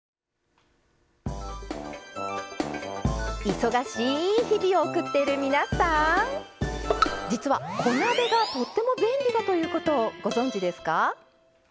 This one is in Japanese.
忙しい日々を送っている皆さん実は小鍋がとっても便利だということをご存じですか？